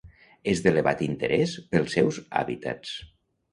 És d'elevat interès pels seus hàbitats.